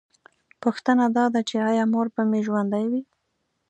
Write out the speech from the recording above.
پوښتنه دا ده چې ایا مور به مې ژوندۍ وي